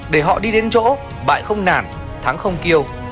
để họ đi đến chỗ bãi không nản thắng không kêu